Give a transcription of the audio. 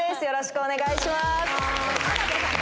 よろしくお願いします。